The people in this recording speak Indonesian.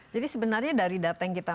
jadi sebenarnya dari data yang kita